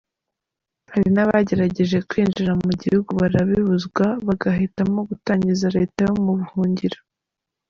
Hari n’abagerageje kwinjira mu gihugu barabibuzwa bahitamo gutangiza Leta yo mu buhungiro.